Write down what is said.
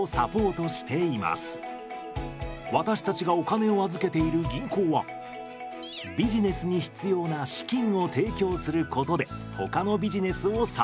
私たちがお金を預けている銀行はビジネスに必要な資金を提供することでほかのビジネスをサポート。